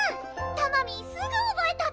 タマミーすぐおぼえたッピ。